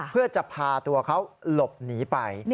เพื่อจะพาตัวเขาหลบหนีไป